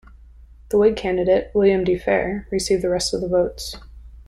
The Whig candidate, William D. Fair, received the rest of the votes.